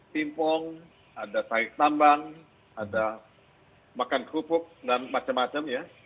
simpong ada tarik tambang ada makan kerupuk dan macam macam ya